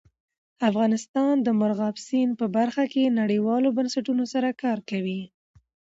افغانستان د مورغاب سیند په برخه کې نړیوالو بنسټونو سره کار کوي.